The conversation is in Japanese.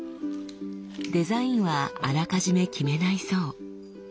デザインはあらかじめ決めないそう。